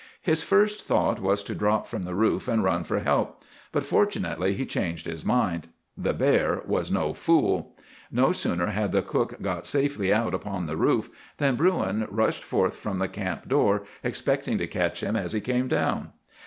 "His first thought was to drop from the roof and run for help, but fortunately he changed his mind. The bear was no fool. No sooner had the cook got safely out upon the roof than Bruin rushed forth from the camp door, expecting to catch him as he came down.